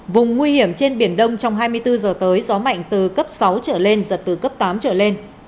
vùng nguy hiểm trên biển đông trong hai mươi bốn giờ tới gió mạnh từ cấp sáu trở lên giật từ cấp tám trở lên